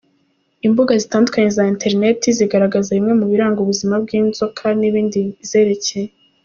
Imbuga zitandukanye za internet zigaragaza bimwe mu biranga ubuzima bw’inzoka n’ibindi bizerekeye.